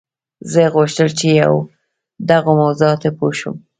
زه غوښتل چې پر دغو موضوعاتو پوه شم